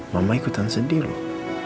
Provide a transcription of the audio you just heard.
mama ikutan sedih loh